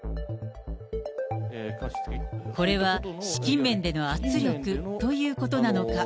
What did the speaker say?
これは資金面での圧力ということなのか。